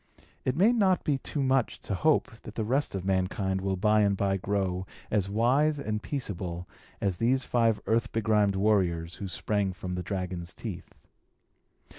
It may not be too much to hope that the rest of mankind will by and by grow as wise and peaceable as these five earth begrimed warriors, who sprang from the dragon's teeth.